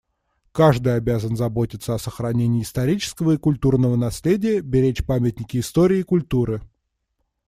Каждый обязан заботиться о сохранении исторического и культурного наследия, беречь памятники истории и культуры.